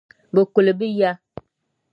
Bɛ kuli bɛ ya.